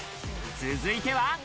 続いては。